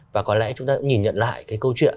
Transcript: và có lẽ chúng ta cũng nhìn nhận lại cái câu chuyện